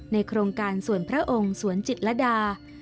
โครงการสวนพระองค์สวนจิตรดา